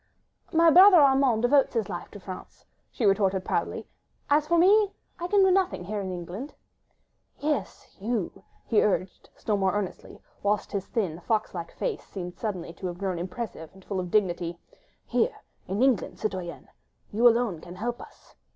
"My brother Armand devotes his life to France," she retorted proudly; "as for me, I can do nothing ... here in England. ..." "Yes, you ..." he urged still more earnestly, whilst his thin fox like face seemed suddenly to have grown impressive and full of dignity, "here, in England, citoyenne ... you alone can help us.